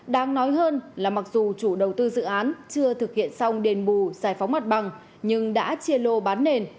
đáng nói hơn là mặc dù chủ đầu tư dự án chưa thực hiện xong đền bù giải phóng mặt bằng nhưng đã chia lô bán nền